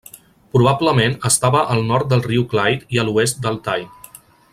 Probablement estava al nord del Riu Clyde i a l'oest del Tay.